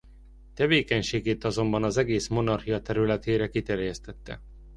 Tevékenységét azonban az egész monarchia területére kiterjesztette.